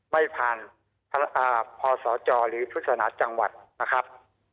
ไม่ผ่านพศจหรือพฤศนาจังหวัดนะครับ